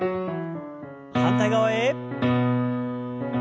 反対側へ。